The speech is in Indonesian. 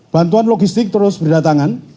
bantuan logistik terus berdatangan